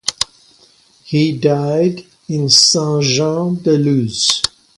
He died in Saint-Jean-de-Luz.